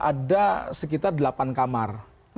ada sekitar delapan kamar